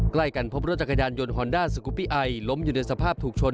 ใกล้กันพบรถจักรยานยนต์ฮอนด้าสกุปปี้ไอล้มอยู่ในสภาพถูกชน